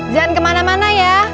jangan kemana mana ya